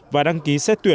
và đăng ký xét tuyển